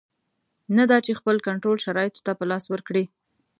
نه دا چې خپل کنټرول شرایطو ته په لاس ورکړي.